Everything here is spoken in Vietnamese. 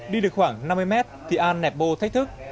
đi được khoảng năm mươi m thì an nẹp bồ thách thức